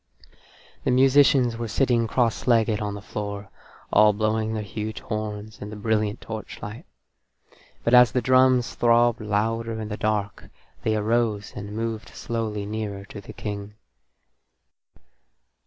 The musicians were sitting crosslegged on the floor, all blowing their huge horns in the brilliant torchlight, but as the drums throbbed louder in the dark they arose and moved slowly nearer to the King.